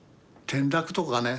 転落とかね。